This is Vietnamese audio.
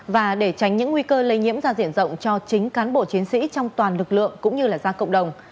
và để tránh những nguy cơ lây nhiễm ra diện rộng cho chính cán bộ chiến sĩ trong toàn lực lượng cũng như ra cộng đồng